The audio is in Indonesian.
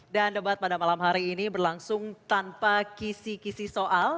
dan debat pada malam hari ini berlangsung tanpa kisi kisi soal